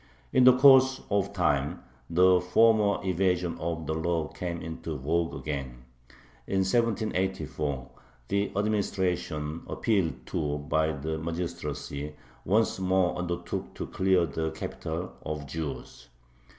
In the course of time the former evasion of the law came into vogue again. In 1784 the administration, appealed to by the magistracy, once more undertook to clear the capital of Jews.